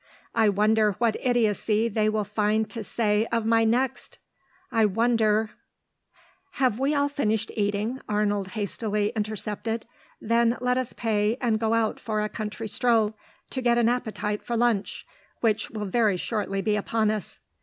I wonder what idiocy they will find to say of my next.... I wonder " "Have we all finished eating?" Arnold hastily intercepted. "Then let us pay, and go out for a country stroll, to get an appetite for lunch, which will very shortly be upon us."